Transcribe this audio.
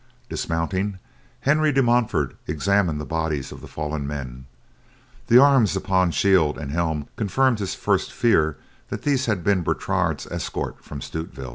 Dismounting, Henry de Montfort examined the bodies of the fallen men. The arms upon shield and helm confirmed his first fear that these had been Bertrade's escort from Stutevill.